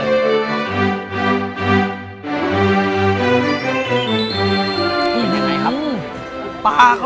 อืมยังไงครับ